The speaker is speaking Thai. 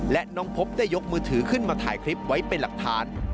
และน้องพบได้ยกมือถือขึ้นมาถ่ายคลิปไว้เป็นหลักฐาน